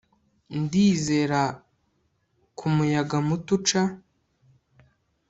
Ndizera ku muyaga muto uca